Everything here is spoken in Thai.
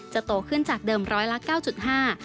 จะโตขึ้นจากเดิมร้อยละ๙๕